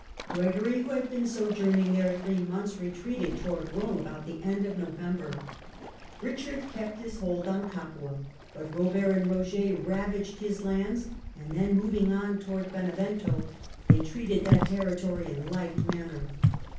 Gregory, who had been sojourning there three months, retreated towards Rome about the end of November. Richard kept his hold on Capua, but Robert and Roger ravaged his lands, and then, moving on towards Benevento, they treated that Heisexcom territory in like manner.